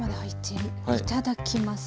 いただきます。